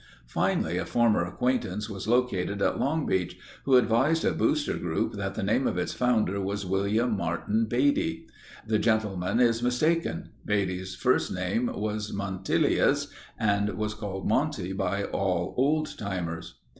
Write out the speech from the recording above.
Finally a former acquaintance was located at Long Beach who advised a booster group that the name of its founder was William Martin Beatty. The gentleman is mistaken. Beatty's first name was Montelius and was called Monte by all old timers.